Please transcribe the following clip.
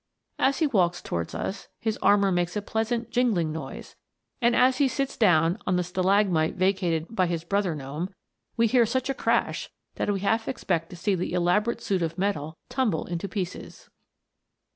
As he walks towards us, his armour makes a pleasant jingling noise ; and as he sits down on the stalagmite vacated by his brother gnome, we hear such a crash, that we half expect to see the elaborate suit of metal tumble into pieces.